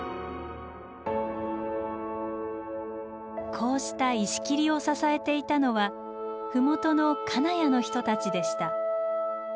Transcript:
こうした石切りを支えていたのは麓の金谷の人たちでした。